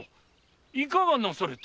いかがなされた？